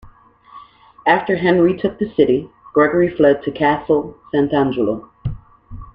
After Henry took the city, Gregory fled to Castel Sant'Angelo.